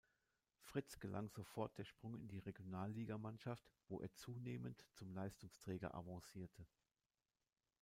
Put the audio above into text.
Fritz gelang sofort der Sprung in die Regionalligamannschaft, wo er zunehmend zum Leistungsträger avancierte.